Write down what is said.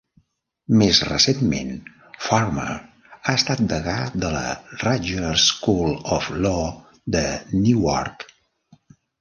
Més recentment, Farmer ha estat degà de la Rutgers School of Law de Newark.